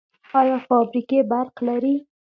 آیا فابریکې برق لري؟